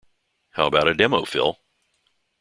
How about a demo, Phil?